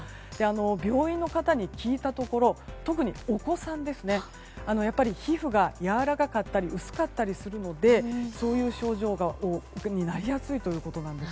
病院の方に聞いたところ特にお子さんやっぱり皮膚がやわらかかったり薄かったりするのでそういう症状に非常になりやすいということです。